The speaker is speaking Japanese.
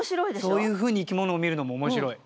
そういうふうに生き物を見るのも面白い。